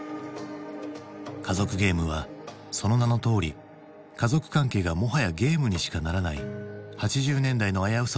「家族ゲーム」はその名のとおり家族関係がもはやゲームにしかならない８０年代の危うさを切り取っていた。